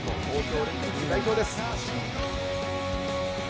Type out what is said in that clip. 東京オリンピック代表です。